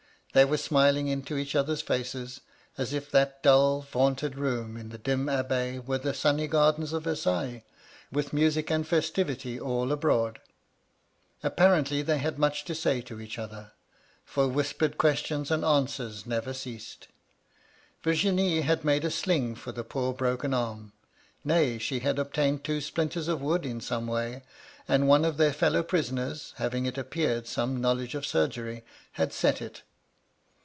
They were smiling into each other's faces, as if that dull, vaulted room in the grim Abbaye were the sunny gardens of Versailles, with music and festivity all abroad. Appa rently they had much to say to each other ; for whispered questions and answers never ceased. "Virginie had made a sling for the poor broken arm ; nay, she had obtained two splinters of wood in some way, and one of their fellow prisoners — having, it appeared, some knowledge of surgery — had set it.